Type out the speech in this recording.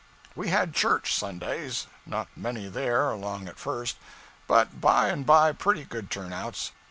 'We had church Sundays. Not many there, along at first; but by and bye pretty good turnouts.